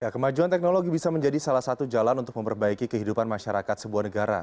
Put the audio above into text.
kemajuan teknologi bisa menjadi salah satu jalan untuk memperbaiki kehidupan masyarakat sebuah negara